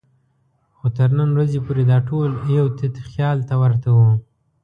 خو تر نن ورځې پورې دا ټول یو تت خیال ته ورته وو.